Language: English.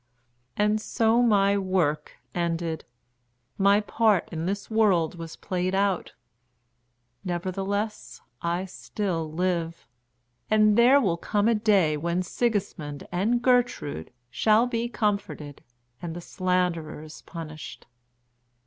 And so my work ended; my part in this world was played out. Nevertheless I still live; and there will come a day when Sigismund and Gertrude shall be comforted and the slanderers punished.